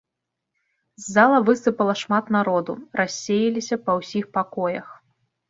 З зала высыпала шмат народу, рассеяліся па ўсіх пакоях.